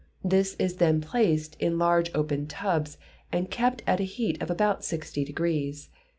This is then placed in large open tubs, and kept at a heat of about sixty degrees.